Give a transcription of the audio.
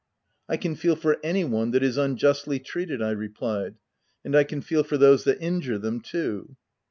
"I can feel for any one that is unjustly treated/ 5 I replied, u and I can feel for those that injure them too."